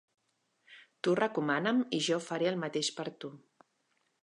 Tu recomana'm i jo faré el mateix per tu.